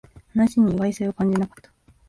話に意外性を感じなかった